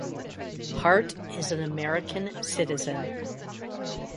Hart is an American citizen.